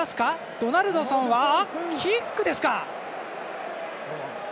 ドナルドソンはキックですか。